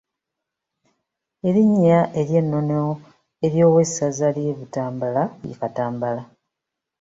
Erinnya ery’ennono ery’owessaza ly’e Butambala ye Katambala.